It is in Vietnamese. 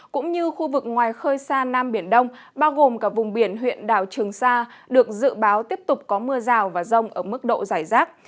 cũng như khu vực ngoài khơi xa nam biển đông bao gồm cả vùng biển huyện đảo trường sa được dự báo tiếp tục có mưa rào và rông ở mức độ giải rác